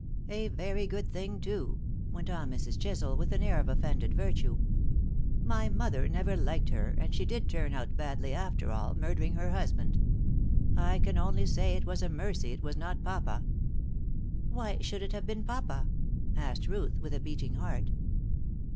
A very good thing, too," went on Mrs. Chisel, with an air of offended virtue. "My mother never liked her. And she did turn out badly, after all, murdering her husband. I can only say it was a mercy it was not papa." "Why should it have been papa?" asked Ruth, with a beating heart.